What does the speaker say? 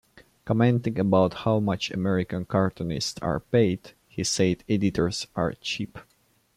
Commenting about how much American cartoonists are paid, he said Editors are cheap.